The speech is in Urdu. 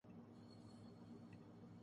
ہماری کپکپی کا علاج کہیں سے ہو سکتا ہے؟